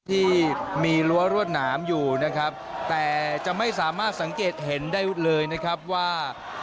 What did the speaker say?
ที่มีรั้วรวดหนามอยู่นะครับแต่จะไม่สามารถสังเกตเห็นได้เลยนะครับว่า